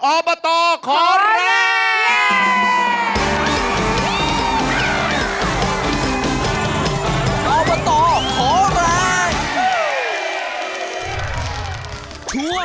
ออบอตตอร์มหาสนุก